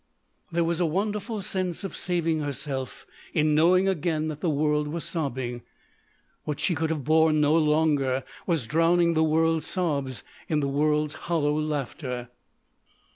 There was a wonderful sense of saving herself in knowing again that the world was sobbing. What she could have borne no longer was drowning the world's sobs in the world's hollow laughter.